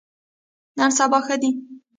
نن سبا ښه دي.